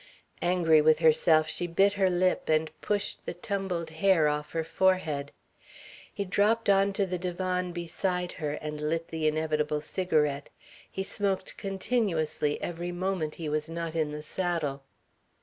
Angry with herself she bit her lip and pushed the tumbled hair off her forehead. He dropped on to the divan beside her and lit the inevitable cigarette; he smoked continuously every moment he was not in the saddle.